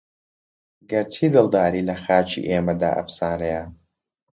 گەر چی دڵداری لە خاکی ئێمەدا ئەفسانەیە